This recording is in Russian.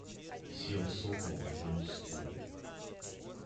Сел сокол на гол ствол.